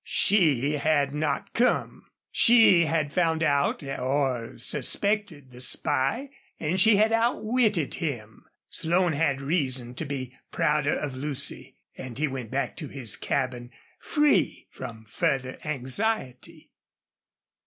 She had not come. She had found out or suspected the spy and she had outwitted him. Slone had reason to be prouder of Lucy, and he went back to his cabin free from further anxiety.